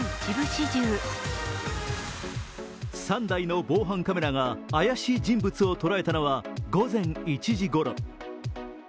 ３代の防犯カメラが怪しい人物を捉えたのは午前１時ごろ。